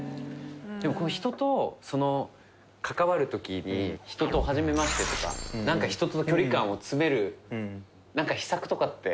でも人と関わるときに人と初めましてとか何か人との距離感を詰める秘策とかって。